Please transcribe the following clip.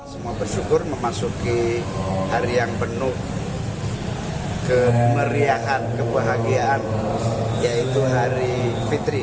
semua bersyukur memasuki hari yang penuh kemeriahan kebahagiaan yaitu hari fitri